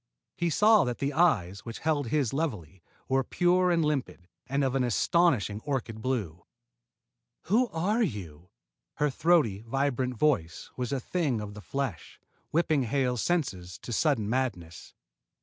He saw that the eyes which held his levelly were pure and limpid, and of an astonishing orchid blue. "Who are you?" Her throaty, vibrant voice was a thing of the flesh, whipping Hale's senses to sudden madness.